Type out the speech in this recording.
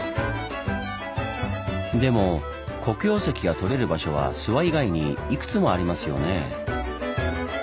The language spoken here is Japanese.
でも黒曜石がとれる場所は諏訪以外にいくつもありますよねぇ。